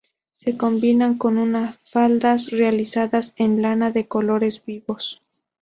Se combinan con una faldas realizadas en lana de colores vivos.